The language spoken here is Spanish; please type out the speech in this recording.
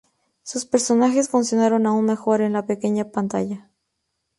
Sus personajes funcionaron aún mejor en la pequeña pantalla.